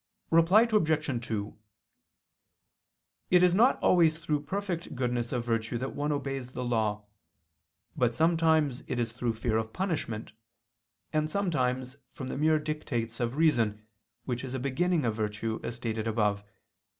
Reply Obj. 2: It is not always through perfect goodness of virtue that one obeys the law, but sometimes it is through fear of punishment, and sometimes from the mere dictates of reason, which is a beginning of virtue, as stated above (Q.